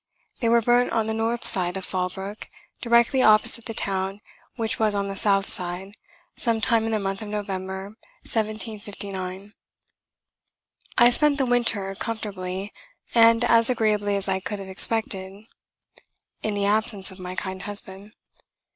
They were burnt on the north side of Fall brook, directly opposite the town which was on the south side, some time in the month of November, 1759. I spent the winter comfortably, and as agreeably as I could have expected to, in the absence of my kind husband.